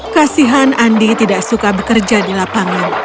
kasihan andi tidak suka bekerja di lapangan